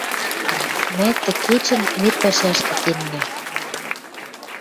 Мӓ тӹ кечӹн мир пӓшӓшкӹ кеннӓ